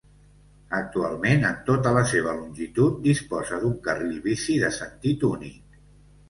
Actualment, en tota la seva longitud disposa d'un carril bici de sentit únic.